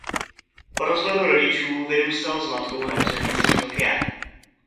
Po rozvodu rodičů vyrůstal s matkou na předměstí Tokia.